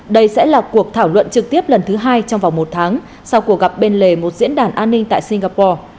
đây sẽ là cuộc thảo luận trực tiếp lần thứ hai trong vòng một tháng sau cuộc gặp bên lề một diễn đàn an ninh tại singapore